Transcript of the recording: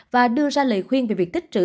và đưa ra lời khuyên về việc tích trữ